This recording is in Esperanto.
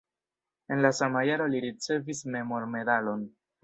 En la sama jaro li ricevis memormedalon.